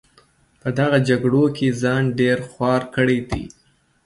په دغه جګړو کې ځان ډېر خوار کړی دی.